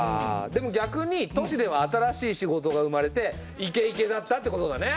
でも逆に都市では新しい仕事が生まれてイケイケだったってことだね。